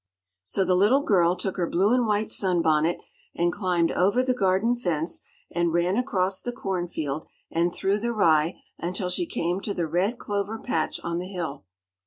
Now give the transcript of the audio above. So the little girl took her blue and white sun bonnet, and climbed over the garden fence and ran across the corn field and through the rye until she came to the red clover patch on the hill.